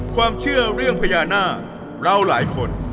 ความเชื่อเรื่องพญานาคเราหลายคน